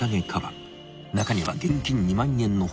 ［中には現金２万円の他